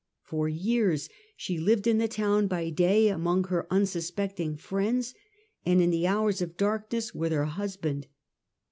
For years she lived, in the town by day among her unsus pecting friends, and in the hours of darkness with her husband.